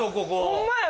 ホンマや！